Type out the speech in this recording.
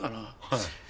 はい。